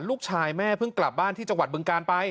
ลูกชายแม่เพิ่งกลับบ้านที่จังหวัดบึงการไป